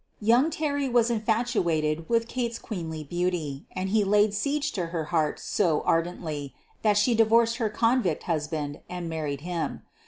Young Terry was in fatuated with Kate's queenly beauty, and he laid siege to her heart so ardently that she divorced her convict husband and married him.